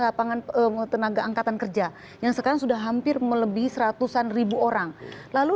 lapangan tenaga angkatan kerja yang sekarang sudah hampir melebihi seratusan ribu orang lalu